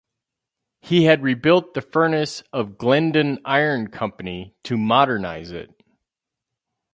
He had rebuilt the furnace of Glendon Iron Company to modernize it.